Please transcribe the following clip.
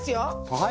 はい。